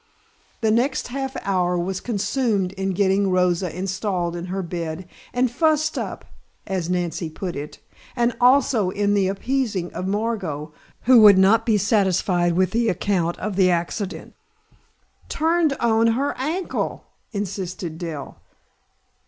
The next half hour was consumed in getting Rosa installed in her bed and "fussed up", as Nancy put it, and also in the appeasing of Margot, who would not be satisfied with the account of the accident. "Turned on her ankle!" insisted Dell.